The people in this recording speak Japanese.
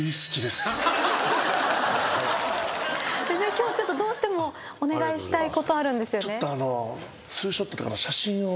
今日どうしてもお願いしたいことあるんですよね。